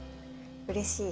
うれしい。